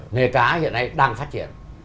nghề cá hiện nay đang phát triển